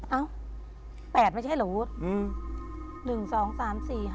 เอ้าแปดไม่ใช่เหรอวุฒิ